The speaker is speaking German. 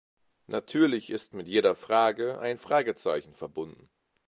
Natürlich ist mit jeder Frage ein Fragezeichen verbunden.